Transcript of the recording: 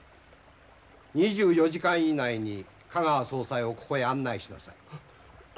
２４時間以内に香川総裁をここへ案内しなさい。